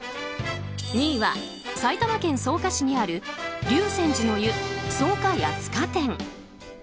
２位は埼玉県草加市にある竜泉寺の湯草加谷塚店。